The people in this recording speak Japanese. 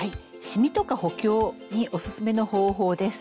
しみとか補強におすすめの方法です。